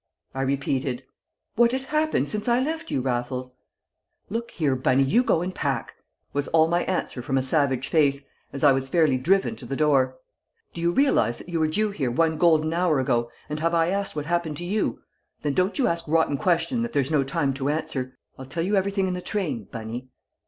I repeated. "What has happened since I left you, Raffles?" "Look here, Bunny, you go and pack!" was all my answer from a savage face, as I was fairly driven to the door. "Do you realise that you were due here one golden hour ago, and have I asked what happened to you? Then don't you ask rotten questions that there's no time to answer. I'll tell you everything in the train, Bunny."